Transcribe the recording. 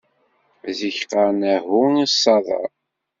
Zik qqaṛen ahu i ṣṣeḍa.